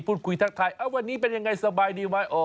พูดคุยทักทายวันนี้เป็นอย่างไรสบายดีไหม